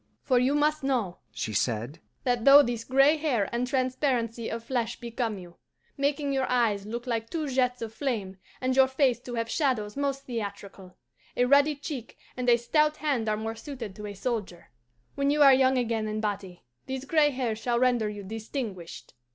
"For you must know," she said, "that though this gray hair and transparency of flesh become you, making your eyes look like two jets of flame and your face to have shadows most theatrical, a ruddy cheek and a stout hand are more suited to a soldier. When you are young again in body, these gray hairs shall render you distinguished."